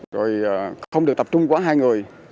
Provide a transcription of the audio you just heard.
rồi không được tập trung quá hai người